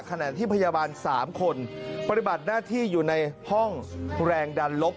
ขณะที่พยาบาล๓คนปฏิบัติหน้าที่อยู่ในห้องแรงดันลบ